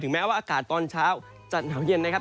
แม้ว่าอากาศตอนเช้าจะหนาวเย็นนะครับ